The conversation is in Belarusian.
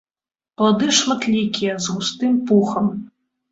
Плады шматлікія, з густым пухам.